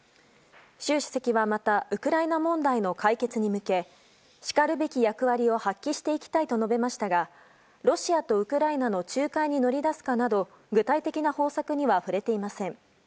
習主席はまたウクライナ問題の解決に向けしかるべき役割を発揮していきたいと述べましたがロシアとウクライナの仲介に乗り出すかなど具体的な方策については触れていません。